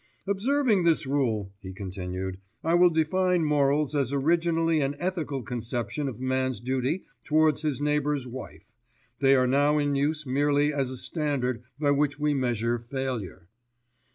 "Observing this rule," he continued, "I will define morals as originally an ethical conception of man's duty towards his neighbour's wife: they are now in use merely as a standard by which we measure failure."